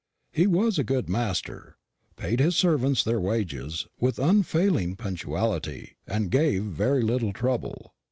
He was a good master, paid his servants their wages with unfailing punctuality, and gave very little trouble.